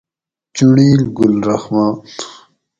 چُنڑیل :گل رحمان